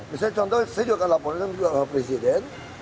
misalnya contohnya saya juga akan laporan sama presiden